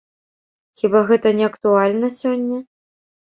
Хіба гэта не актуальна сёння?